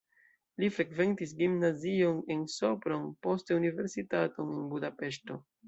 Li frekventis gimnazion en Sopron, poste universitaton en Budapeŝto.